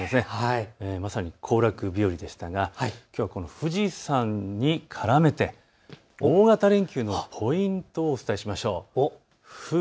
まさに行楽日和でしたがきょうはこの富士山に絡めて、大型連休のポイントをお伝えしましょう。